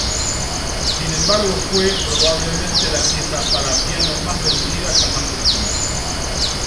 Sin embargo, fue probablemente la pieza para piano más vendida jamás escrita.